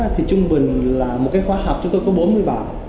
thì trung bình là một cái khóa học chúng tôi có bốn mươi bài